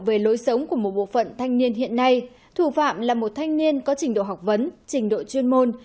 về lối sống của một bộ phận thanh niên hiện nay thủ phạm là một thanh niên có trình độ học vấn trình độ chuyên môn